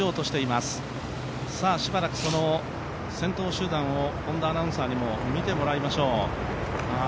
しばらく先頭集団を本田アナウンサーにも見てもらいましょう。